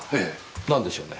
なんでしょうね。